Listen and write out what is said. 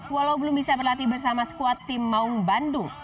walau belum bisa berlatih bersama skuad tim maung bandung